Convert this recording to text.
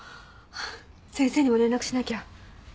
先生にも連絡しなきゃ。